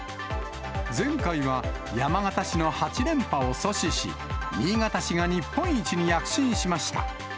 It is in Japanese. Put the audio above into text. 前回は、山形市の８連覇を阻止し、新潟市が日本一に躍進しました。